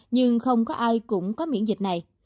nhưng không có ai cũng có miễn dịch này